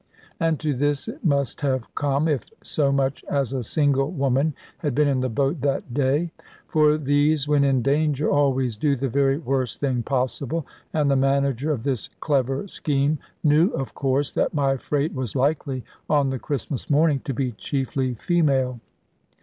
And to this it must have come if so much as a single woman had been in the boat that day. For these, when in danger, always do the very worst thing possible; and the manager of this clever scheme knew of course that my freight was likely, on the Christmas morning, to be chiefly female.